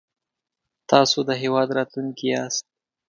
تاسو د هېواد راتلونکی ياست